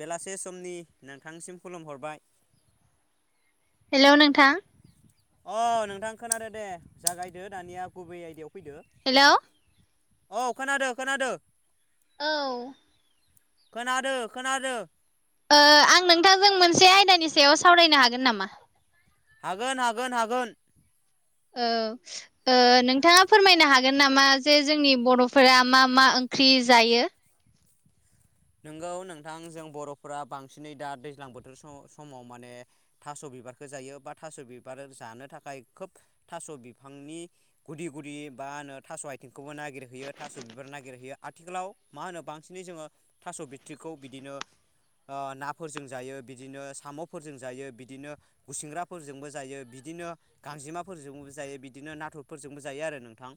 बेलासे समनि नोंथांनिसिम खुलुमहरबाय। हेलौ नोंथां। अ नोंथां खोनादों दे जागायदो दानिया गुबै आयदायाव फैदो। हेलौ औ खोनादो खोनादो। औ खोनादों। खोनादों। आं नोंथांजों मोनसे आयदानि सायाव सावरायनो हागोन नामा हागोन हागोन हागोन। ओव ओ नोंथाङा फोरमायनो हागोन नामा जे जोंनि बरफोरा मा मा ओंख्रि जायो। नोंगौ नोंथां जों बर फोरा बांसिनै दा दैज्लां बोथोर स- समाव माने थास बिबारखौ जायो बा थास बिबार जानो थाखाय खोब थास बिफांनि। गुदि गुदि बा होनो थास आइथिंखौबो नागिरहैयो थास बिबार नागिरहैयो आथिखालाव। मा होनो बांसिनै जोङो थास बिट्रिखौ बिदिनो। ओ नाफोरजों जायो बिदिनो सामफोरजों जायो बिदिनो। गुसिंग्राफोरजोंबो जायो बिदिनो। गांजेमाफोरजोंबो जायो बिदिनो नाथुरफोरजोंबो जायो आरो नोंथां।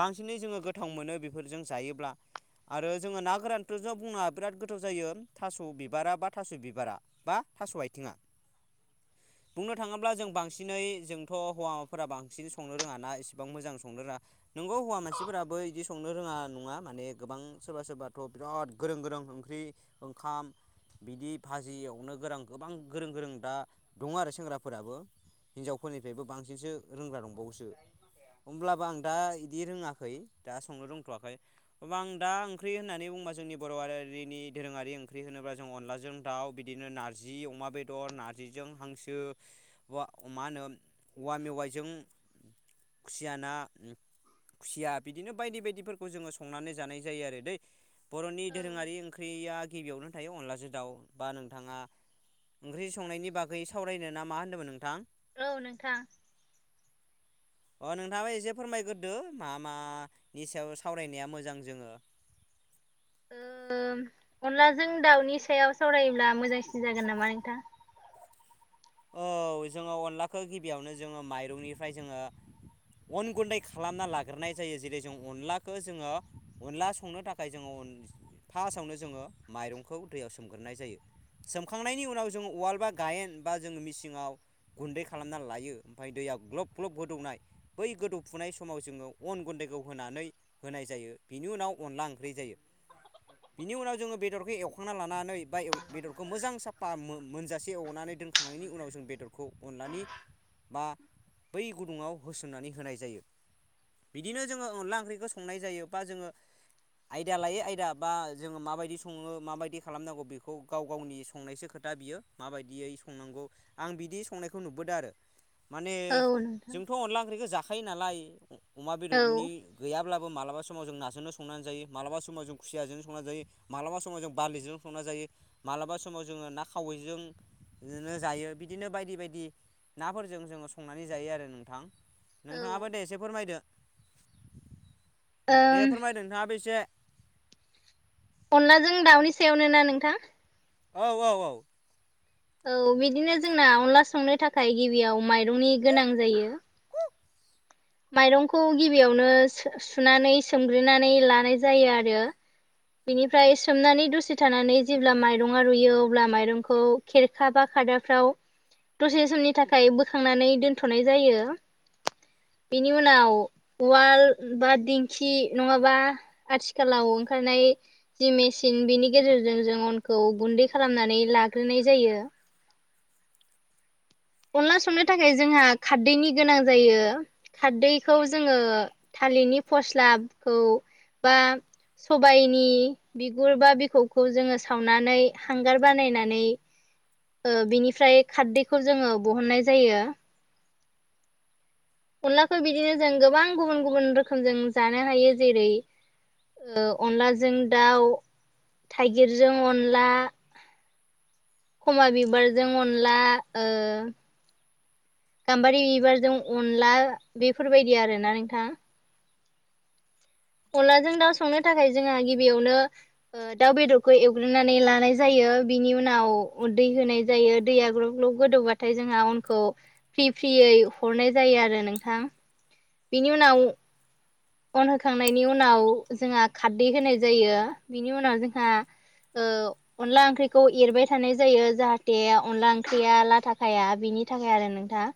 बांसिनै जोङो गोथाव मोनो बेफोरजों जायोब्ला आरो जोङो ना गोरानथ जो बुंनाङा बिराद गोथाव जायो थास बिबारा बा थास बिबारा बा थास आयथिङा। बुंनो थाङोब्ला जों बांसिनै जोंथ हौवाफोरा बांसिन संनो रोङा ना इसेबां मोजां संनो रोङा। नोंगौ हौवा मानसिफोराबो इदि संनो रोङा नङा माने गोबां सोरबा सोरबाथ बिराद गोरों गोरों ओंख्रि ओंखाम बिदि भाजि एवनो गोरों। गोबां गोरों गोरों दा दङ आरो सेंग्राफोर फोराबो हिनजावफोरनिफ्रायबो बांसिनसो रोंग्रा दंबावोसो। होमब्लाबो आं दा बिदि रोङाखै दा संनो रोंथवाखै अ आं दा ओंख्रि होननानै बुंबा जोंनि। बरआरिनि दोरोङारि ओंख्रि होनोब्ला जों अनलाजों दाउ बिदिनो नारजि अमा बेदर नारजि जिजों हांसो उवा मा होनो औवा मेवाइजों खुसिया ना खुसिया बिदिनो बायदि बायदिफोरखौ जोङो संनानै जानाय जायो आरो दै बरनि औ दोरोङारि ओंख्रिया गिबियावनो थायो अनलाजों दाउ बा नोंथाङा। ओंख्रि संनायनि बागै सावरायनो ना मा होन्दोंमोन नोंथां? औ नोंथां। अ नोंथाङाबा एसे फोरमायग्रोदो मा मानि सायाव सावरायनाया मोजां जोङो। अनलाजों दाउनि सायाव सावरायोब्ला मोजांसिन जागोन नामा नोंथां? औ जोङो अनलाखौ गिबियावनो जोङो माइरंनिफ्राय जोङो। अन गुन्दै खालामना लाग्रोनाय जायो जेरै जों अनलाखो जोङो अनला संनो थाखाय। थाखाय जोङो फार्स्टआवनो जोङो माइरंखौ दैयाव सोमग्रोनाय जायो। सोमखांनायनि उनाव जोङो उवाल बा गायेन बा जोङो मिसिङाव। गुन्दै खालामना लायो ओमफ्राय दैया ग्लब ग्लब गोदौनाय। बै गोदौफुनाय समाव जोङो अन गुन्दैखौ होनानै। होनाय जायो बिनि उनाव अनला ओंख्रि जायो। बिनि उनाव जोङो बेदरखौ एवखांना लानानै बा बेदरखौ मोजां साफा मो-मोनजासे एवनानै दोनख- खांनायनि उनाव जों बेदरखौ अनलानि। बा बै गुदुङाव होसनानै होनाय जायो। बिदिनो जोङो अनला ओंख्रिखौ संनाय जायो बा जोङो। आयदा लायै आयदा बा जोङो माबायदि सङो माबायदि खालामनांगौ बेखौ गाव गावनि संनायसो खोथ दा बियो माबायदियै संनांगौ आं बिदि संनायखौ नुबोदों आरो माने औ नोंथां जोंथ अनला ओंख्रिखौ जाख फायो नालाय अमा औ बेदरनि गैयाब्लाबो मालाबा समाव जों नाजोंनो संनानै जायो मालाबा समाव जों खुसियाजों संनानै जायो। मालाबा समाव जों बारलिजों संना जायो मालाबा समाव जोङो ना खावैजों बिदिनो जायो बिदिनो बायदि बायदि नाफोरजों जोङो संनानै जायो आरो नोंथां। औ नोंथाङाबो दे एसे फोरमायदो दे ओम फोरमायदो नोंथाङाबो एसे अनदलाजों दाउनि सायावनो ना नोंथां औ औ औ औ बिदिनो जोंना अनला संनो थाखाय गिबियाव माइरंनि गोनां जायो। माइरंखौ गिबियावनो सुनानै सोमग्रिनानै लानाय जायो आरो बिनिफ्राय सोमनानै दसे थानानै जेब्ला माइरंआ रुयो अब्ला माइरंखौ खेरखा बा खादाफ्राव दसे समनि थाखाय बोखांनानै दोनथ'नाय जायो। बेनि उनाव उवाल बा दिंखि नङाबा आथिखालाव ओंखारनाय जि मेसिन बिनि गेजेरजों जों अनखौ गुन्दै खालामनानै लाग्रोनाय जायो अनला संनो थाखाय जोंहा खारदैनि गोनां जायो। खारदैखौ जोङो थालिरनि फस्लाखौ बा सबायाइनि बिगुर बा बिखौखौ जोङो सावनानै हांगार बानायनानै ओ बिनिफ्राय खारदैखौ जोङो दिहननाय जायो। अनलाखौ बिदिनो जों गोबां गुबुन गुबुन रोखोम जों जानो हायो जेरै ओ अनलाजों दाउ थाइगिरजों अनला खमा बिबारजों अनला ओ गाम्बारि बिबारजों अनला बेफोरबायदि आरोना नोंथाङा अनलाजों दाउ संनो थाखाय जोंहा गिबियावनो ओ दाउ बेदरखौ एवग्रोननानै लानाय जायो बिनि उनाव दै होनाय जायो दैया ग्लब्लब गोदौबाथाय जोंहा उनखौ फ्रि फ्रियै हरनाय जायो आरो नोंथां बिनि उनाव अन होखांनायनि उनाव जोंहा खारदै होनाय जायो बिनि उनाव जोंहा ओ अनला ओंख्रिखौ एरबाय थानाय जायो जाहाथे अनला ओंख्रिया लाथाखाया बिनि थाखाय आरो नोंथा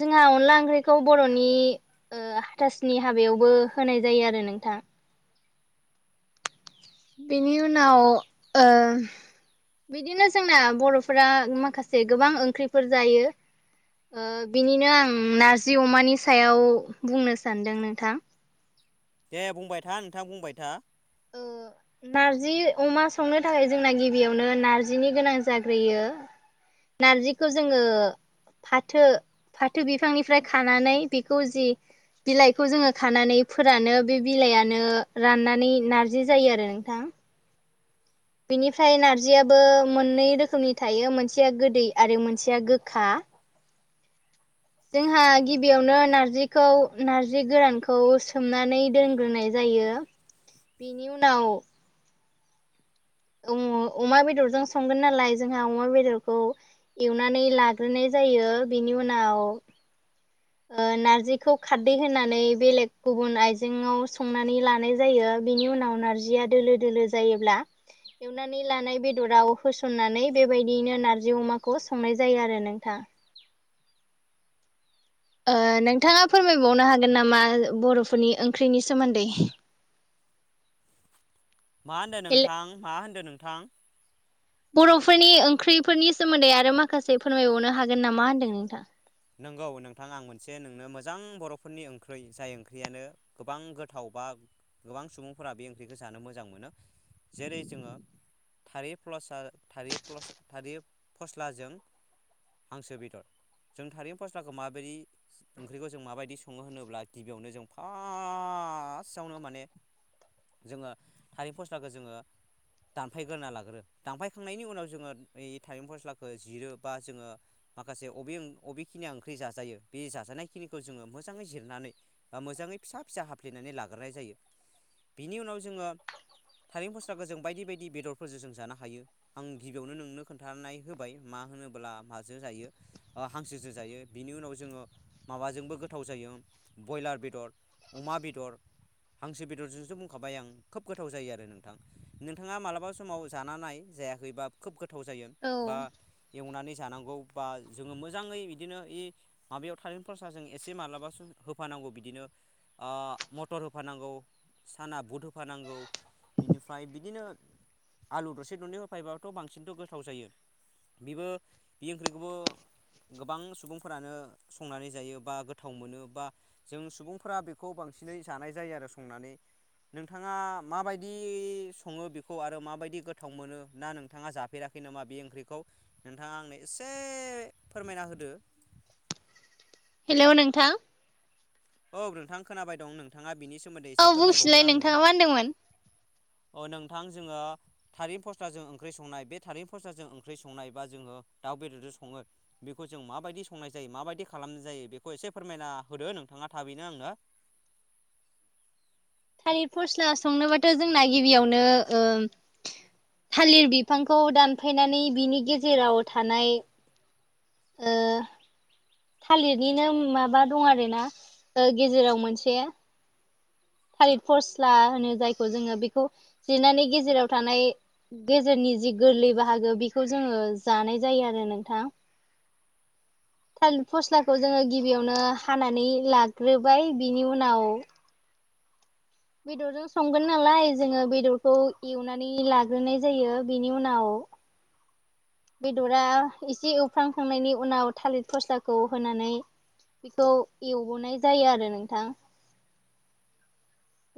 जोंहा अनला ओंख्रिखौ बर'नि ओ हाथासुनि हाबायावबो होनाय जायो आरो नोंथां बेनि उनाव ओ बिदिनो जोंना बर'फोरा माखासे गोबां ओंख्रिफोर जायो। ओ बिनिनो आं नारजि अमानि सायाव बुंनो सानदों नोंथां दे बुंबाय था नोंथां बुंबाय था औ नारजि अमा संनो थाखाय जोंना गिबियावनो नार्जिनि गोनां जाग्रोयो नारजिखौ जोङो फाथो फाथो बिफांनिफ्राय खानानै बेखौ जि बिलाइखौ जोङो खानानै फोरानो बे बिलाइानो राननानै नारजि जायो आरो नोंथाङा बेनिफ्राय नारजियाबो मोननै रोखोमनि थायो मोनसेया गोदै आरो मोनसेया गोखा जोंहा गिबियावनो नारजिखौ नार्जि गोरानखौ सोमनानै दोनग्रोनाय जायो। बेनि उनाव अमा बेदरजों संगोन नालाय जोंहा अमा बेदरखौ एवनानै लाग्रोनाय जायो बेनि उनाव ओ नारजिखौ खारदै होनानै बेलेग गुबुन आइजेंआव संनानै लानाय जायो। बिनि उनाव नारजिया दोलो दोलो जायोब्ला एवनानै लानाय बेदराव होसननानै बेबायदियैनो नारजि अमाखौ संनाय जायो आरो नोंथां नोंथाङा फोरमायबावनो हागोन नामा बर'फोरनि ओंख्रिनि सोमोन्दै [inaudible] मा होनदो नोंथां मा होनदो नोंथां बर'फोरनि ओंख्रिफोरनि सोमोन्दै आरो माखासे फोरमायबावनो हागोन नामा होन्दों नोंथां नंगौ नोंथां आं मोनसे नोंनो मोजां बर'फोरनि ओंख्रि जाय ओंख्रियानो गोबां गोथाव बा गोबां सुबुंफोरा बे ओंख्रिखौ जानो मोजां मोनो। जेरै जोङो थारै फस्लार थारि फस्ल थारि फस्लाजों हांसो बेदर जों थारै फस्लाखौ माबोरदि ओंख्रिखौ जों माबायदि सङो होनोब्ला गिबियावनो जों फारस्टआवनो माने जोङो थारिम फस्लाखौ जोङो दानफायग्रोना लाग्रो दानफायखांनायनि उनाव जोङो थाइें फस्लाखौ जिरो बा जोङो माखासे अबे बबेखिनिया ओंख्रि जाजायो बे जाजानायखिनिखौ जोङो मोजाङै जिरनानै मोजाङै फिसा फिसा हाफ्लेनानै लाग्रोनाय जायो बिनि उनाव जोङो थारें फस्लाखौ जों बायदि बायदि बेदरफोरजों जों जानो हायो आं गिबियावनो नोंनो खोन्थानाय होबाय मा होनोब्ला माजो जायो हांसोसो जायो बिनि उनाव जोङो माबाजोंबो गोथाव जायो ब्रयलार बेदर अमा बेदर हांसो बेदरजोंसो बुंखाबाय आं खोब गोथाव जायो आरो नोंथां नोंथाङा मालाबा समाव जानानै जायाखैबा खोब गोथाव जायो बा औ एवनानै जानांगौ बा जोङो मो मोजाङै बिदिनो इ माबायाव थार फरस जों एसे माब्लाबासो होफानांगौ बिदिनो मटर होफानांगौ साना बुट होफानांगौ बिनिफ्राय बिदिनो आलु दरसे दरनै होफैबाथ' बांसिनथ' गोथाव जायो बेबो बे ओंख्रिखौबो गोबां सुबुंफोरानो संनानै जायो बा गोथाव मोनो बा जों सुबुंफोरा बेखौ बांसिनै जानाय जायो आरो संनानै नोंथाङा माबायदि सङो बेखौ आरो माबायदि गोथाव मोनो ना नोंथाङा जाथ हैैफेराखै नामा बे ओंख्रिखौ नोंथाङा आंनो एसे फोरमायना होदो हेल' नोंथां औ नोंथां खोनाबाय दं नोंथाङा बिनि सोमोन्दै औ एसे बुंफिनलाय फोरमायबावदों आंनो नोंथाङा मा [inaudible] अ नोंथां जोङो थारैनो फस्थजों ओंख्रि संनाय बे थारैन फसथ जजों ओंख्रि संनाय बा जोङो दाउ बेदरजों सङो बेखौ जों माबायदि संनाय जायो माबायदि खालामनाय जायो बेखौ एसे फोरमायना होदो नोंथाङा थाबैनो आंनो थारििर फस्ला संनोबाथ' जोंना गिबियावनो थालिर बिफांखौ दानफायनानै बिनि गेजेराव थानाय ओ थालिरनिनो माबा दं आरोना गेजेराव मोनसे थारििर फस्ला होनो जायखौ जोङो बेखौ जिरनायनि गेजेराव थानाय गेजेरनि जि गोरलै बाहागो बेखौ जोङो जानाय जायो आरो नोंथां थालिर फस्लाखौ जोङो गिबियावनो हानानै लाग्रोबाय बिनि उनाव बेदरजों संगोन नालाय जोङो बेदरखौ एवनानै लाग्रोनाय जायो बेनि उनाव [inaudible] बेदरा एसे एवफ्रांखांनायनि उनाव थालिर खरसाखौ होनानै बेखौ एवबोनाय जायो आरो नोंथां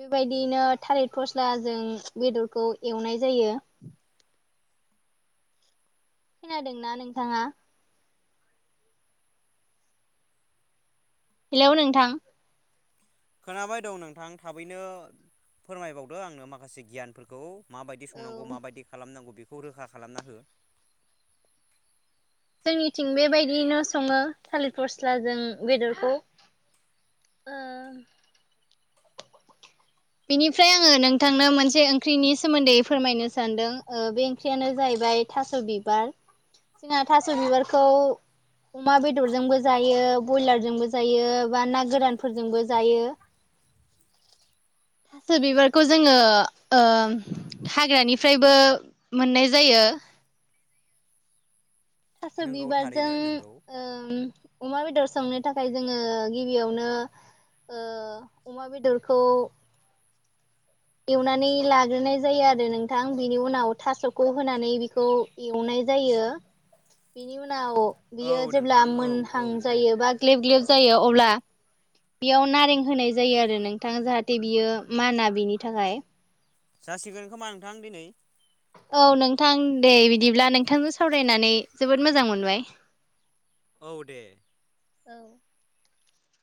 बेबायदियैनो थालिर फस्ला जों बेदरखौ एवनाय जायो खोनादोंना नोंथाङा हेलौ नोंथां खोनाबाय दं नोंथां थाबैनो फोरमायबावदो आंनो माखासे गियानफोरखौ माबायदि औ संनांगौ माबायदि खालामनांगौ बेखौ रोखा खालामना हो जोंनिथिं बेबायदियैनो सङो थालिर फस्ला जों बेदरखौ। ओ बेनिफ्राय आङो नोंथांनो मोनसे ओंख्रिनि सोमोन्दै फोरमायनो सानदों ओ बे ओंख्रियानो जाहैबाय थास' बिबार जोंना थास' बिबारखौ अमा बेदरजोंबो जायो बयलारजोंबो जायो बा ना गोरानफोरजोंबो जायो थास' बिबारखौ जोङो ओ हाग्रानिफ्रायबो मोननाय जायो थास' नोंगौ बिबारजों थारैनो नोंगौ ओम अमा बेदर संनो थाखाय जोङो गिबियावनो ओ अमा बेदरखौ एवनानै लाग्रोनाय जायो आरो नोंथां बिनि उनाव थास'खौ होनानै बेखौ एवनाय जायो बेनि उनाव औ बियो जेब्ला नोंथां औ मोनहां औ औ जायो बा ग्ले ग्ले जायो अब्ला बेयाव नारें होनाय जायो आरो नोंथां जाहाथे बियो माना बिनि थाखाय। जासिगोन खोमा नोंथां दिनै। औ नोंथां दे बिदिब्ला नोंथांजों सावरायनानै जोबोद मोजां मोनबाय। औ दे। औ